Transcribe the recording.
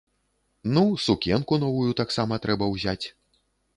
Ну, сукенку новую таксама трэба ўзяць.